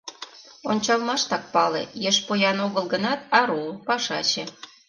Ончалмаштак пале: еш поян огыл гынат, ару, пашаче.